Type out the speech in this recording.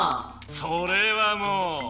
それはもう！